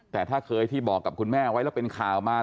แต่ถ้าเคยที่บอกกับคุณแม่ไว้แล้วเป็นข่าวมา